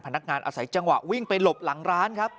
อาศัยจังหวะวิ่งไปหลบหลังร้านครับ